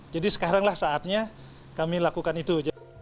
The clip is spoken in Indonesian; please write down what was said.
jadi sekaranglah saatnya kami lakukan itu